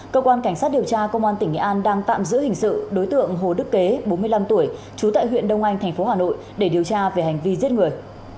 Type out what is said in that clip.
cơ quan cảnh sát điều tra công an tỉnh nghệ an đang tạm giữ hình sự đối tượng hồ đức kế bốn mươi năm tuổi trú tại huyện đông anh tp hà nội để điều tra về hành vi giết người